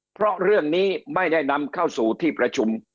เพราะเรื่องนี้ไม่ได้นำเข้าสู่ที่ประชุม